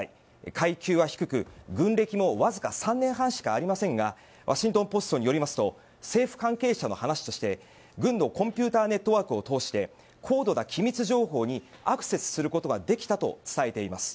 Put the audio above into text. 階級は低く軍歴もわずか３年半しかありませんがワシントン・ポストによりますと政府関係者の話として、軍のコンピューターネットワークを通して高度な機密情報にアクセスすることができたと伝えています。